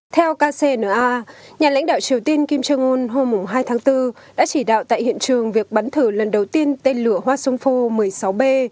theo kcna nhà lãnh đạo triều tiên kim jong un hôm hai tháng bốn đã chỉ đạo tại hiện trường việc bắn thử lần đầu tiên tên lửa hoa sông phô một mươi sáu b